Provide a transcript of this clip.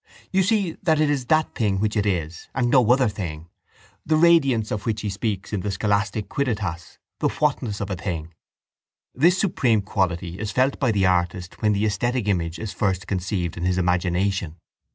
You see that it is that thing which it is and no other thing. The radiance of which he speaks in the scholastic quidditas, the whatness of a thing. This supreme quality is felt by the artist when the esthetic image is first conceived in his imagination.